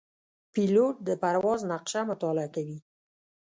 پیلوټ د پرواز نقشه مطالعه کوي.